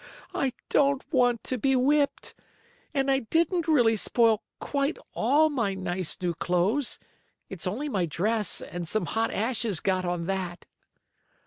I don't want to be whipped. And I didn't really spoil quite all my nice new clothes. It's only my dress, and some hot ashes got on that."